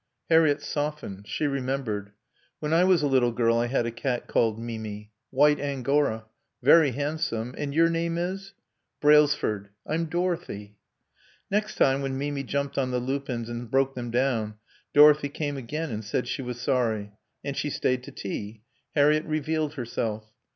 Harriett softened. She remembered. "When I was a little girl I had a cat called Mimi. White Angora. Very handsome. And your name is " "Brailsford. I'm Dorothy." Next time, when Mimi jumped on the lupins and broke them down, Dorothy came again and said she was sorry. And she stayed to tea. Harriett revealed herself.